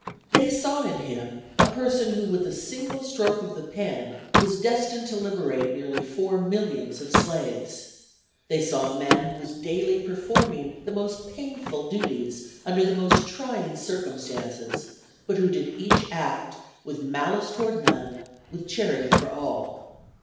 They saw in him a person who with a single stroke of the pen was destined to liberate nearly four millions of slaves. They saw a man who was daily performing the most painful duties under the most trying circumstances, but who did each act "with malice toward none; with charity for all."